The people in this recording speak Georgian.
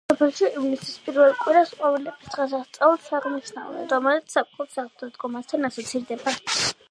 სოფელში ივნისის პირველ კვირას ყვავილების დღესასწაულს აღნიშნავენ, რომელიც ზაფხულის დადგომასთან ასოცირდება.